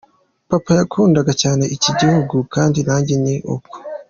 Papa yakundaga cyane iki gihugu kandi nanjye ni uko.